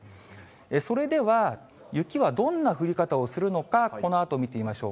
それでは、雪はどんな降り方をするのか、このあと見てみましょう。